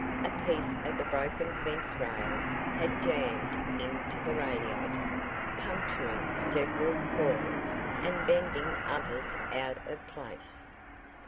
A piece of the broken fence rail had jammed into the radiator, puncturing several coils and bending others out of place.